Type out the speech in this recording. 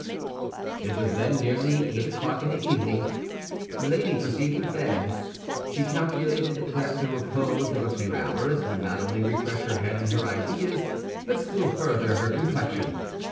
It was then nearly eight o'clock in the evening. Milady perceived a bed; she calculated that the repose of a few hours would not only refresh her head and her ideas, but still further, her complexion.